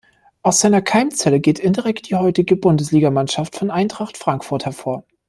Aus seiner Keimzelle geht indirekt die heutige Bundesligamannschaft von Eintracht Frankfurt hervor.